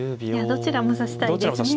どちらも指したいですね。